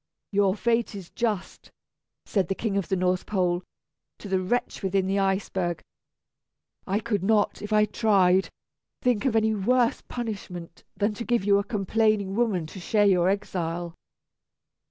"Your fate is just," said the King of the North Pole, to the wretch within the iceberg; "I could not, if I tried, think of any worse punishment than to give you a complaining woman to share your exile."